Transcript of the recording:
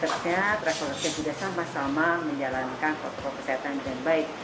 resolusi juga sama sama menjalankan protokol kesehatan yang baik